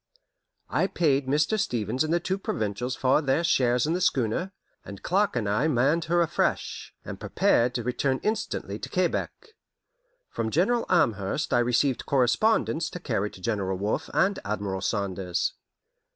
I paid Mr. Stevens and the two Provincials for their shares in the schooner, and Clark and I manned her afresh, and prepared to return instantly to Quebec. From General Amherst I received correspondence to carry to General Wolfe and Admiral Saunders.